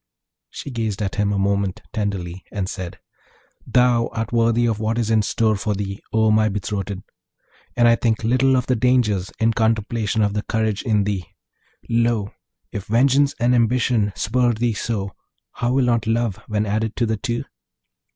She gazed at him a moment tenderly, and said, 'Thou art worthy of what is in store for thee, O my betrothed! and I think little of the dangers, in contemplation of the courage in thee. Lo, if vengeance and ambition spur thee so, how will not love when added to the two?'